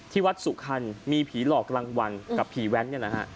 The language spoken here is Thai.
ที่วัดสุคัณภ์มีผีหลอกรางวัลกับผีแว้น